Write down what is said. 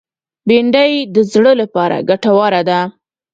بېنډۍ د زړه لپاره ګټوره ده